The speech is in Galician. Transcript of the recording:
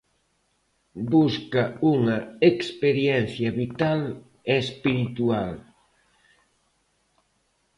Busca unha experiencia vital e espiritual.